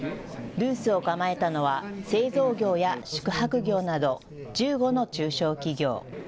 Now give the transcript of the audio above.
ブースを構えたのは製造業や宿泊業など１５の中小企業。